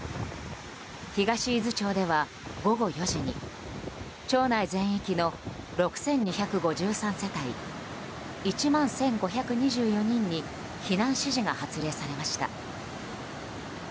東伊豆町では午後４時に町内全域の６２５３世帯１万１５２４人に避難指示が発令されました。